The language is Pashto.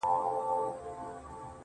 • د گل خندا.